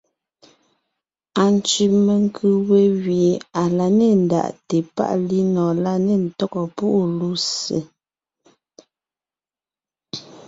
Antsẅì menkʉ̀ we gẅie à la nê ndaʼte páʼ linɔ̀ɔn la nê ntɔ́gɔ púʼu lussé.